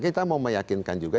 kita mau meyakinkan juga